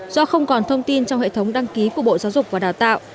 do không còn thông tin trong hệ thống đăng ký của bộ giáo dục và đào tạo